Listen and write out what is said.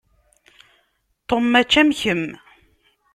Tom mačči am kemm.